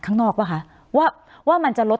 คุณลำซีมัน